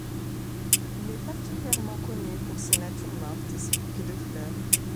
Il est particulièrement connu pour ses natures mortes et ses bouquets de fleurs.